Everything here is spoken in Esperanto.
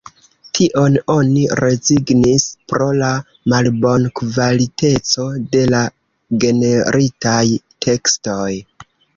Tion oni rezignis pro la malbonkvaliteco de la generitaj tekstoj.